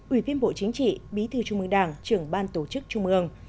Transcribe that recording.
ủy viên bộ chính trị bí thư trung mương đảng trưởng ban tổ chức trung ương